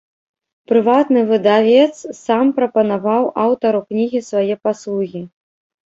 Прыватны выдавец сам прапанаваў аўтару кнігі свае паслугі.